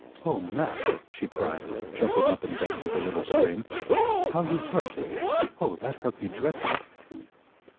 "Oh, Mac," she cried, jumping up in bed with a little scream, "how you hurt! Oh, that hurt me dreadfully."